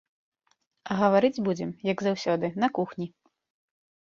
А гаварыць будзем, як заўсёды, на кухні.